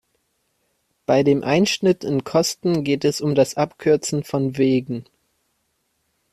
Bei dem Einschnitt in Kosten geht es um das Abkürzen von Wegen.